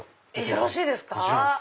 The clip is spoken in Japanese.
よろしいですか。